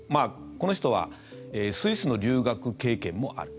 この人はスイスの留学経験もある。